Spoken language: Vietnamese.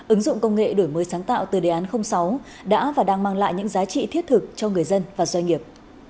ứng dụng công nghệ đổi mới sáng tạo từ đề án sáu đã và đang mang lại những giá trị thiết thực cho người dân và doanh nghiệp